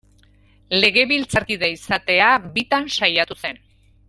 Legebiltzarkide izatea bitan saiatu zen.